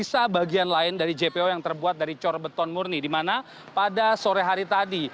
ini adalah bagian lain dari jpo yang terbuat dari corbeton murni di mana pada sore hari tadi